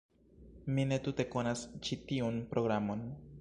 Mi ne tute konas ĉi tiun programon.